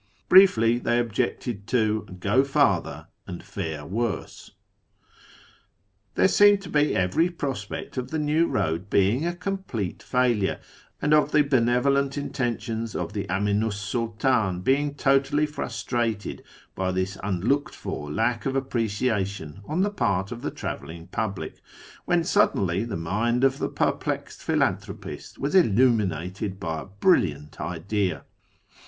Briefly, they objected to " go farther and fare worse." There seemed to be every prospect of the new road being a complete failure, and of the benevolent intentions of the Aminu 's SuUdn being totally frustrated by this unlooked for lack of appreciation on the part of the travelling public, when suddenly the mind of the perplexed philanthropist was illumin ated by a brilliant idea.